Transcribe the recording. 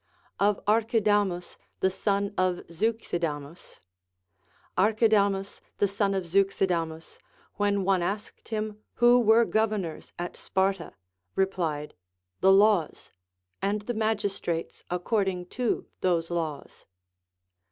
Of Arckidamus the Son of Zeiixidamns. Archidamus the son of Zeuxidamus, when one asked him who were governors at Sparta, replied, The laws, and the magistrates according to those laws.